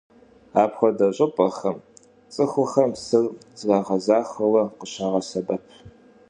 Апхуэдэ щӀыпӀэхэм цӀыхухэм псыр зрагъэзахуэу къыщагъэсэбэп.